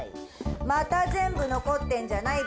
また全部残ってんじゃない弁当。